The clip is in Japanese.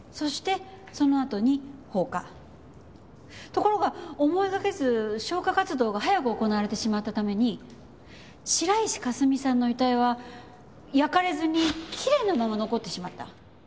ところが思いがけず消火活動が早く行われてしまったために白石佳澄さんの遺体は焼かれずにきれいなまま残ってしまった。